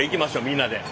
みんなで。